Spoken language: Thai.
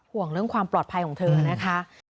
ห่วงเรื่องความปลอดภัยของเธอนะคะ